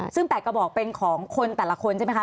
ซึ่ง๘กระบอกเป็นของคนแต่ละคนใช่ไหมคะ